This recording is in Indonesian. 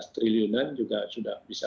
triliunan juga sudah bisa